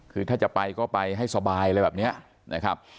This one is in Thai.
คือถ้าจะไปก็ไปให้สบายอะไรแบบนี้นะครับ